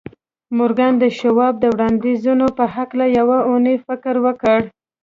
مورګان د شواب د وړاندیزونو په هکله یوه اونۍ فکر وکړ